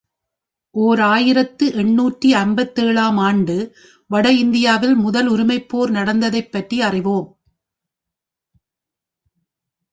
ஓர் ஆயிரத்து எண்ணூற்று ஐம்பத்தேழு ஆம் ஆண்டு வட இந்தியாவில் முதல் உரிமைப் போர் நடந்ததைப் பற்றி அறிவோம்.